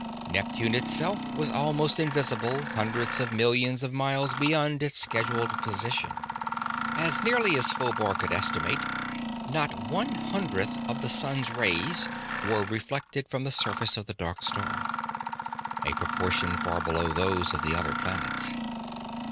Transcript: Neptune itself was almost invisible, hundreds of millions of miles beyond its scheduled position. As nearly as Phobar could estimate, not one hundredth of the sun's rays were reflected from the surface of the dark star, a proportion far below those for the other planets.